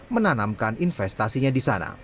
menanamkan investasinya di sana